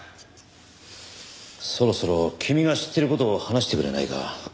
そろそろ君が知ってる事を話してくれないか？